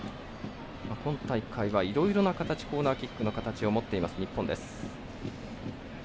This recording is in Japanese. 今大会は、いろいろな形コーナーキックの形を持っています、日本です。